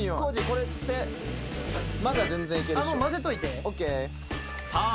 これってまだ全然いけるっしょＯＫさあ